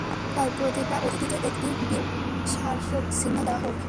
আমি চাই প্রতিটা অতিথিকে একটি বিঊ স্মারকচিহ্ন দেওয়া হউক।